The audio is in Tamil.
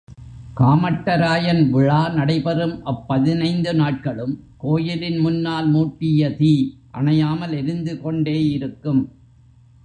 காமட்டராயன் விழா நடைபெறும் அப்பதினைந்து நாட்களும், கோயிலின் முன்னால் மூட்டிய தீ அணையாமல் எரிந்துகொண்டே இருக்கும்.